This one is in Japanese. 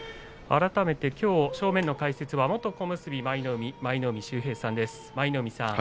きょう正面は元小結舞の海の舞の海秀平さんです。